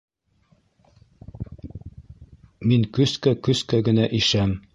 Мин көскә-көскә генә ишәм.